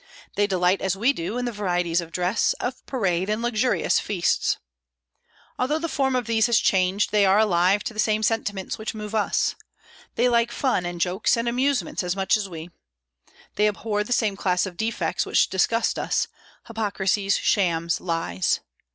They delight, as we do, in the varieties of dress, of parade, and luxurious feasts. Although the form of these has changed, they are alive to the same sentiments which move us. They like fun and jokes and amusement as much as we. They abhor the same class of defects which disgust us, hypocrisies, shams, lies.